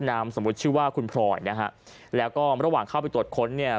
นามสมมุติชื่อว่าคุณพลอยนะฮะแล้วก็ระหว่างเข้าไปตรวจค้นเนี่ย